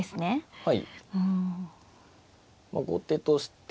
はい。